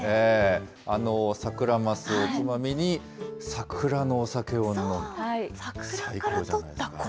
サクラマスおつまみに、サクラのお酒を飲む。